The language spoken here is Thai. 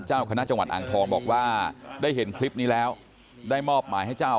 เจ้าคณะจังหวัดอ่างทองบอกว่าได้เห็นคลิปนี้แล้วได้มอบหมายให้เจ้า